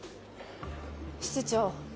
室長。